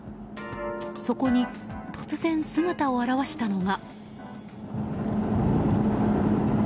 そこに突然、姿を現したのが。